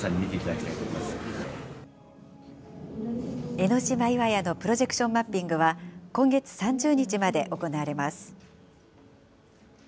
江の島岩屋のプロジェクションマッピングは、今月３０日まで行われます。